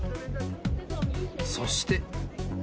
そして。